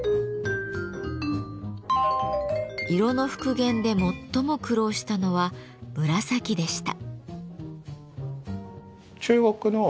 色の復元で最も苦労したのは「紫」でした。